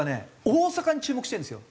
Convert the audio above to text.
大阪に注目してるんですよ。